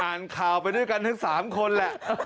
อ่านข่าวไปด้วยกันทั้ง๓คนแหละ